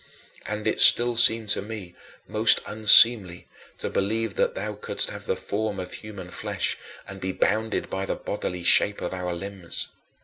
And it still seemed to me most unseemly to believe that thou couldst have the form of human flesh and be bounded by the bodily shape of our limbs.